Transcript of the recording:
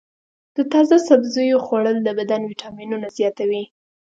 د تازه سبزیو خوړل د بدن ویټامینونه زیاتوي.